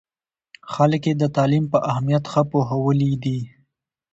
خلک یې د تعلیم په اهمیت ښه پوهولي دي.